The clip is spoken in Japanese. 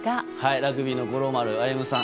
ラグビーの五郎丸歩さん